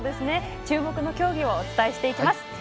注目の競技をお伝えしていきます。